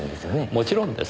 もちろんです。